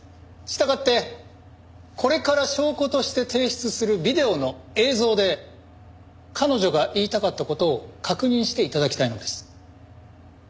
従ってこれから証拠として提出するビデオの映像で彼女が言いたかった事を確認して頂きたいのです。